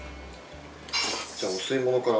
じゃあお吸い物から。